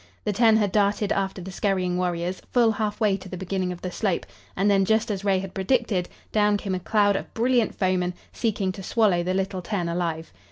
The ten had darted after the scurrying warriors, full half way to the beginning of the slope, and then, just as Ray had predicted, down came a cloud of brilliant foemen, seeking to swallow the little ten alive.